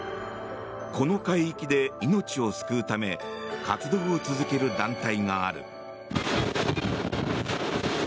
この海域で命を救うため活動を続ける団体がある。